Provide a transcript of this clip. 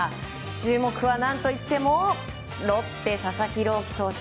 注目は何といってもロッテ、佐々木朗希投手。